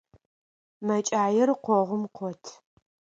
Мэкӏаир къогъум къот.